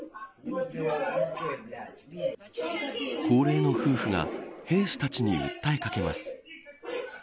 高齢の夫婦が兵士たちに訴えかけます。